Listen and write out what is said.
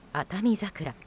桜。